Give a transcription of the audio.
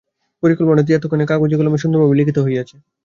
পরিকল্পনাটি এতক্ষণে কাগজে কলমে সুন্দরভাবে লিখিত হইয়াছে।